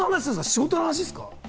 仕事の話ですか？